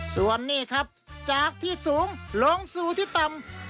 ส่วนนี้ครับจากที่สูงลงสู่ที่ต่ำ